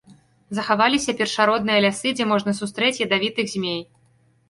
Захаваліся першародныя лясы, дзе можна сустрэць ядавітых змей.